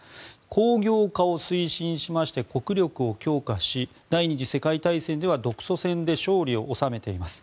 工業化を推進しまして国力を強化し第２次世界大戦では独ソ戦で勝利を収めています。